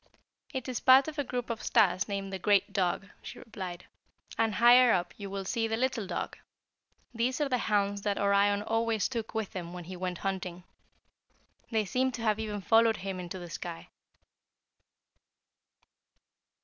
"It is part of a group of stars named the 'Great Dog,'" she replied; "and higher up you will see the 'Little Dog.' These are the hounds that Orion always took with him when he went hunting. They seem to have even followed him to the sky.